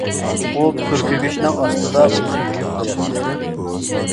ئۇ پۈركۈگۈچنىڭ ئاستىدا ئۇنى يۇيۇپ قوياتتى.